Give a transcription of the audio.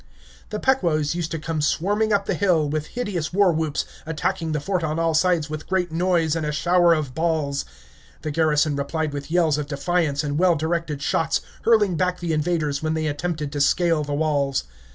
The Pequots used to come swarming up the hill, with hideous war whoops, attacking the fort on all sides with great noise and a shower of balls. The garrison replied with yells of defiance and well directed shots, hurling back the invaders when they attempted to scale the walls.